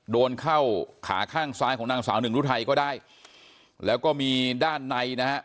โดนเข้าขาข้างซ้ายของนางสาวหนึ่งรุทัยก็ได้แล้วก็มีด้านในนะฮะ